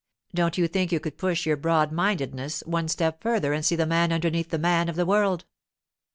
Don't you think you could push your broad mindedness one step further and see the man underneath the man of the world?